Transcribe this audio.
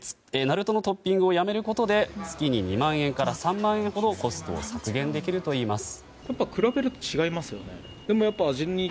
なるとのトッピングをやめることで月に２万円から３万円ほどコストを削減できるといいます。